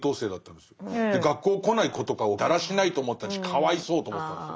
で学校来ない子とかをだらしないと思ってたしかわいそうと思ってたんですよ。